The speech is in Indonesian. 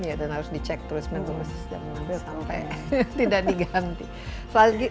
iya dan harus dicek terus menurus jangan sampai tidak diganti